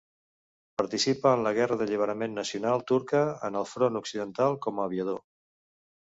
Participa en la Guerra d'Alliberament Nacional turca en el front occidental com a aviador.